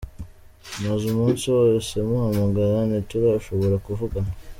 Maze umunsi wose muhamagara ntiturashobora kuvugana.